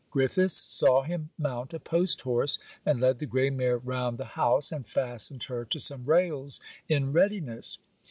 Griffiths saw him mount a post horse, and led the grey mare round the house, and fastened her to some rails in readiness.